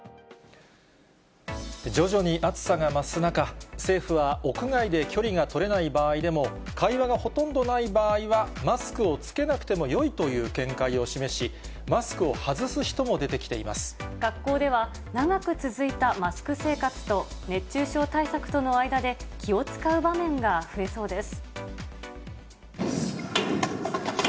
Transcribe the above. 徐々に暑さが増す中、政府は屋外で距離が取れない場合でも、会話がほとんどない場合はマスクを着けなくてもよいという見解を示し、学校では、長く続いたマスク生活と、熱中症対策との間で、気を遣う場面が増えそうです。